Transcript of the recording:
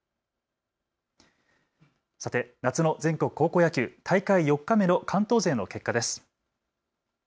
さて夏の全国高校野球、大会４日目の関東勢の結果です。